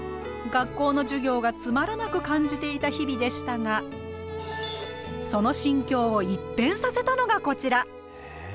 学校の授業がつまらなく感じていた日々でしたがその心境を一変させたのがこちら！